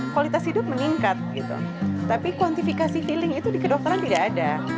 kualitas hidup meningkat tapi kuantifikasi feeling itu di kedokteran tidak ada